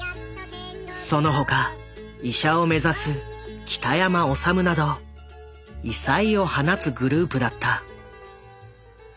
その他医者を目指すきたやまおさむなど異彩を放つグループだった。